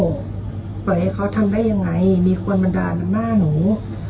ปล่อยให้เขาทำได้ยังไงมีคนมาด่ามันหน้าหนู